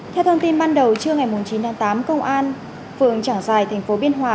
theo thông tin ban đầu trưa ngày chín tám công an phường trảng giải thành phố biên hòa